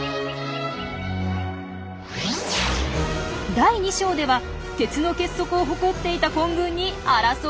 第２章では鉄の結束を誇っていた混群に争い勃発！？